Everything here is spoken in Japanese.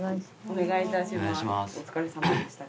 お疲れさまでした。